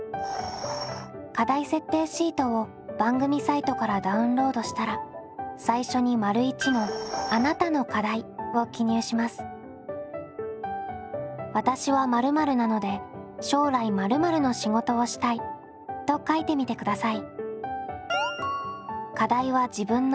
課題設定シートを番組サイトからダウンロードしたら最初に「わたしは○○なので将来○○の仕事をしたい」と書いてみてください。